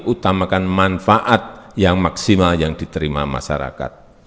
utamakan manfaat yang maksimal yang diterima masyarakat